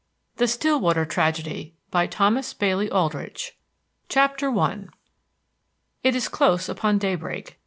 The Stillwater Tragedy By Thomas Bailey Aldrich I It is close upon daybreak.